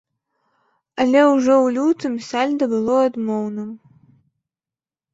Але ўжо ў лютым сальда было адмоўным.